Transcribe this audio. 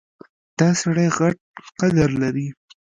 دا سړی غټ قد لري.